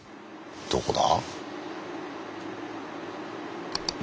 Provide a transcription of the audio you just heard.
どこだ？